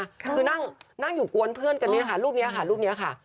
คือนั่งอยู่กวนเพื่อนกันเนี่ยนะคะรูปนี้ค่ะรูปนี้ค่ะ